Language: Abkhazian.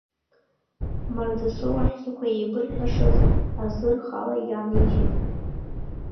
Мардасоу аҳәсақәа иеибырҳәашаз азы рхала иаанижьит.